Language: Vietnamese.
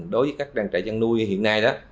đối với các trại chăn nuôi hiện nay